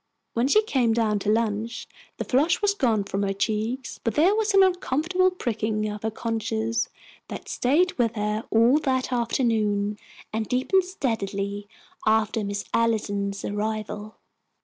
When she came down to lunch, the flush was gone from her cheeks, but there was an uncomfortable pricking of her conscience that stayed with her all that afternoon, and deepened steadily after Miss Allison's arrival.